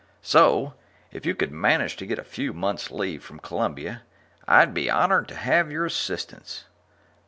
_) So if you could manage to get a few months leave from Columbia, I'd be honored to have your assistance.